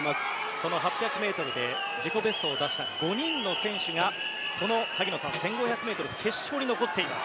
その８００ｍで自己ベストを出した５人の選手たちが萩野さん１５００ｍ決勝に残っています。